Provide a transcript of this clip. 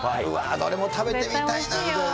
どれも食べてみたいな。